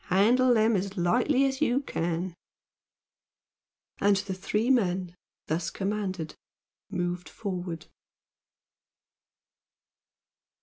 Handle them as lightly as you can." And the three men, thus commanded, moved forward.